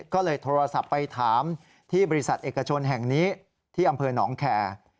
ก็เลยโทรศัพท์ไปถามที่บริษัทเอกชนแห่งนี้ที่อำเภอหนองแคร์